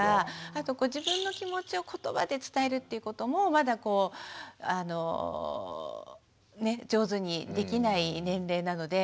あと自分の気持ちをことばで伝えるということもまだこうね上手にできない年齢なので。